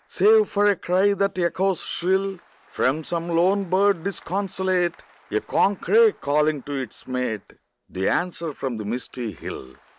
Save for a cry that echoes shrill From some lone bird disconsolate; A corncrake calling to its mate; The answer from the misty hill.